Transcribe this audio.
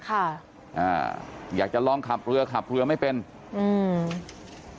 ค่ะอ่าอยากจะลองขับเรือขับเรือไม่เป็นอืม